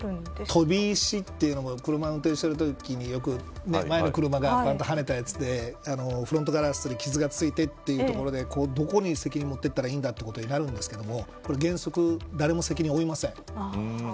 飛び石というのも車運転してるときによく、前の車が跳ねたやつでフロントガラスに傷がついてというところでどこに責任を持っていったらいいんだということになるんですけどこれは原則誰も責任を負いません。